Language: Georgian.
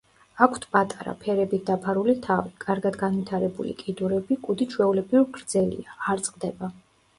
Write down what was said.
აქვთ პატარა, ფერებით დაფარული თავი, კარგად განვითარებული კიდურები, კუდი ჩვეულებრივ გრძელია, არ წყდება.